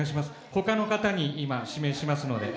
ほかの方に今、指名しますので。